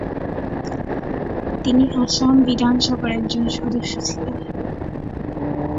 তিনি আসাম বিধানসভার একজন সদস্য ছিলেন।